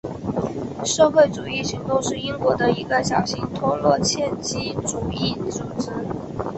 社会主义行动是英国的一个小型托洛茨基主义组织。